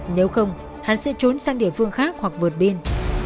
nếu không hán sẽ trốn sang địa phương khác hoặc vượt biên